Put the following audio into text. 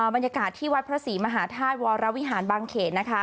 บรรยากาศที่วัดพระศรีมหาธาตุวรวิหารบางเขนนะคะ